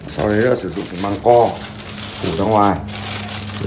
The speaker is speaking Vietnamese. sau đấy là sử dụng cái măng co từ ra ngoài